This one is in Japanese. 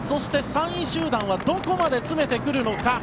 ３位集団はどこまで詰めてくるのか。